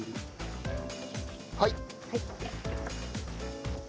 はい！